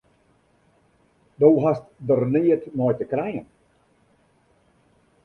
Do hast der neat mei te krijen!